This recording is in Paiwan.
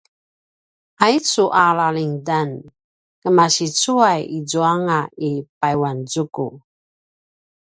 aicu a lalingdan kemasicuay izuanga i payuanzuku